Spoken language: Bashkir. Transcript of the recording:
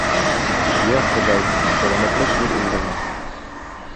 Йә Хоҙай, сәләмәтлек бир үҙенә!